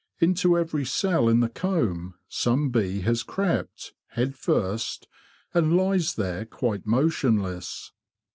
Into every cell in the comb some bee has crept, head first, and lies there quite motionless.